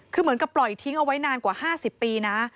คือเหมือนกับปล่อยทิ้งเอาไว้นานกว่า๕๐ปีนะ